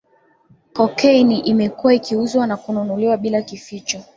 Cocaine imekuwa ikiuzwa na kununuliwa bila kificho